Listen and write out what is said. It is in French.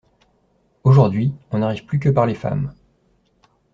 Aujourd’hui on n’arrive plus que par les femmes.